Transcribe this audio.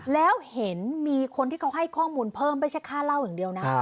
แล้วเห็นมีคนที่เขาให้ข้อมูลเพิ่มไม่ใช่ค่าเล่าอย่างเดียวนะ